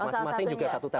masing masing juga satu tahun